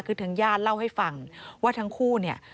คือทางญาติเล่าให้ฟังว่าทั้งคู่เนี่ย